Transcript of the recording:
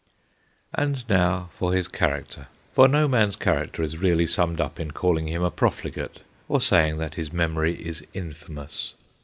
And now for his character ; for no man's character is really summed up in calling him a profligate, or saying that his memory is infamous.